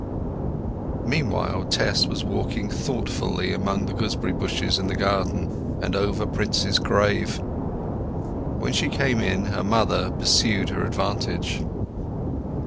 Meanwhile Tess was walking thoughtfully among the gooseberry bushes in the garden, and over Prince's grave. When she came in her mother pursued her advantage.